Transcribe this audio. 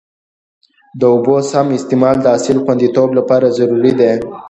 د اوبو سم استعمال د حاصل خوندیتوب لپاره ضروري دی.